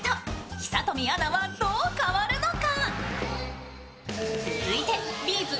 久富アナはどう変わるのか？